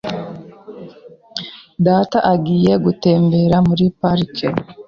Data agiye gutembera muri parike.